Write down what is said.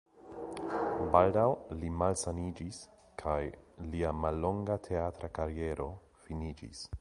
Baldaŭ li malsaniĝis kaj lia mallonga teatra kariero finiĝis.